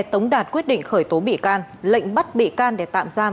tống đạt quyết định khởi tố bị can lệnh bắt bị can để tạm giam